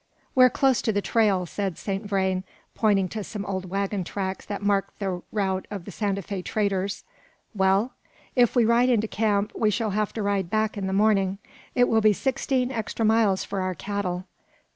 "We're close to the trail," said Saint Vrain, pointing to some old waggon tracks that marked the route of the Santa Fe traders. "Well?" "If we ride into camp, we shall have to ride back in the morning. It will be sixteen extra miles for our cattle."